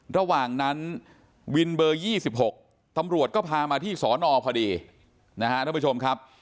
ระหว่างนั้นวินเบอร์๒๖ตำรวจก็พามาที่สอนอพอดีนะฮะท่านผู้ชมครับ